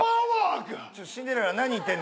シンデレラ何言ってんの！？